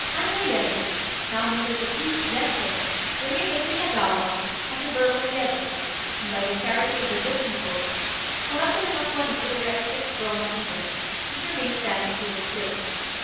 Hanzayémon, now known as the priest Zenshô, remained at Shinagawa, a suburb of Yedo, and, by the charity of good people, collected enough money to erect six bronze Buddhas, which remain standing to this day.